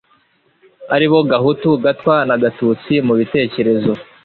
ari bo gahutu gatwa na gatutsi mu bitekerezo